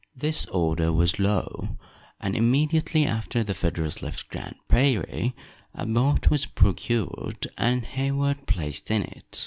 This order was law, and immediately after the Federals left Grand Prairie, a boat was procured, and Hayward placed in it.